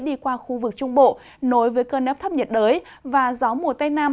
đi qua khu vực trung bộ nối với cơn ép thấp nhiệt đới và gió mùa tây nam